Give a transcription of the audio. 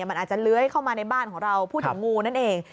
มันอาจจะเลื้อยเข้ามาในบ้านของเราพูดถึงงูนั่นเอง